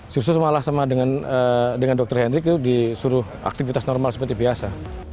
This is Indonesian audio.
sukses malah sama dengan dr hendrik itu disuruh aktivitas normal seperti biasa